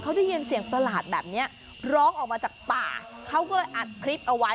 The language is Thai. เขาได้ยินเสียงประหลาดแบบนี้ร้องออกมาจากป่าเขาก็เลยอัดคลิปเอาไว้